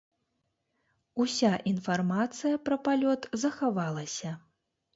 Уся інфармацыя пра палёт захавалася.